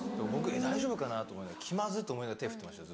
「えっ大丈夫かな？」と思いながら気まずいと思いながら手振ってました